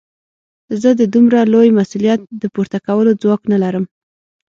زه د دومره لوی مسوليت د پورته کولو ځواک نه لرم.